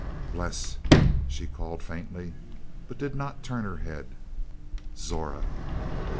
"Bles," she called faintly, but did not turn her head. "Zora!"